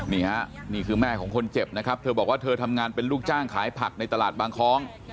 นี่คือแม่ของคนเจ็บนะครับเธอบอกว่าเธอทำงานเป็นลูกจ้างขายผักในตลาดบางคล้อง